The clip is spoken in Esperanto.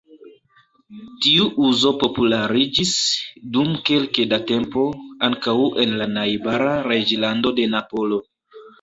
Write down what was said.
Tiu uzo populariĝis, dum kelke da tempo, ankaŭ en la najbara "Reĝlando de Napolo".